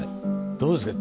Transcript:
どうですか？